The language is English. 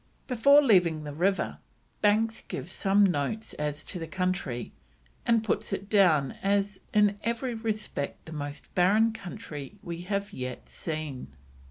Before leaving the river, Banks gives some notes as to the country, and puts it down as "in every respect the most barren country we have yet seen."